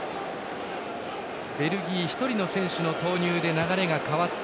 ベルギー、１人の選手の投入で流れが変わった。